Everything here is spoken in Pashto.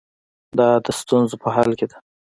دا د ستونزو په حل کې ده.